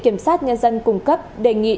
kiểm soát nhân dân cung cấp đề nghị